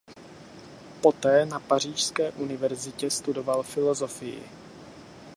Poté na pařížské univerzitě studoval filozofii.